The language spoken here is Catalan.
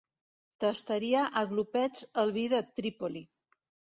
Tastaria a glopets el vi de Trípoli.